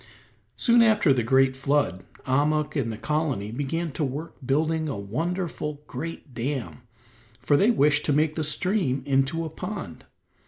Soon after the great flood Ahmuk and the colony began to work building a wonderful, great dam, for they wished to make the stream into a pond.